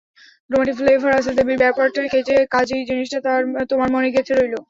Romantic flavour আছে দেবীর ব্যাপারটায়, কাজেই জিনিসটা তোমার মনে গেঁথে রইল।